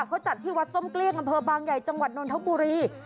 เขาจัดที่วัดส้มเกลี้ยงอำเภอบางใหญ่จังหวัดนทบุรี